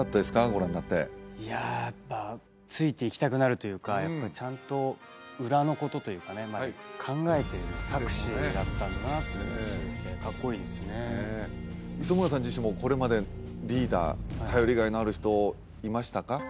ご覧になっていややっぱついていきたくなるというかやっぱりちゃんと裏のことというかね考えている策士だったんだなというのを知れてかっこいいですねねえ磯村さん自身もこれまでリーダー頼りがいのある人いましたか？